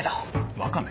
ワカメ？